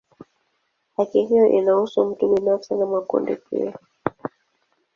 Haki hiyo inahusu mtu binafsi na makundi pia.